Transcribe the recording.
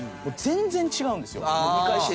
全然違うんですよ。